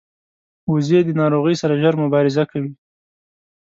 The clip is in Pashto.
وزې د ناروغۍ سره ژر مبارزه کوي